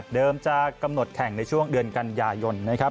เดิมจะกำหนดแข่งในช่วงเดือนกันยายน